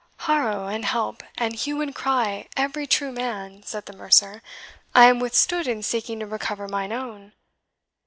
"Haro and help, and hue and cry, every true man!" said the mercer. "I am withstood in seeking to recover mine own."